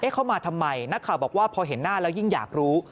เข้ามาทำไมนักข่าวบอกว่าพอเห็นหน้าแล้วยิ่งอยากรู้